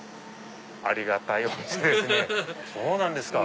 ありがたいお店ですね！